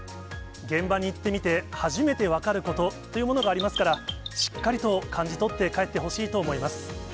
現場に行ってみて初めて分かることというものがありますから、しっかりと感じ取って帰ってほしいと思います。